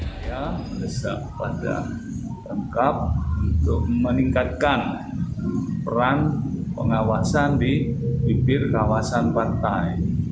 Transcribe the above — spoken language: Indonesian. saya meresap pada lengkap untuk meningkatkan peran pengawasan di bibir kawasan pantai